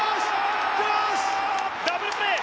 ダブルプレー！